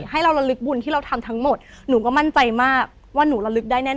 ให้เราระลึกบุญที่เราทำทั้งหมดหนูก็มั่นใจมากว่าหนูระลึกได้แน่น